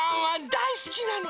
だいすきなの！